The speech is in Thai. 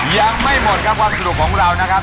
ยังไม่หมดครับความสนุกของเรานะครับ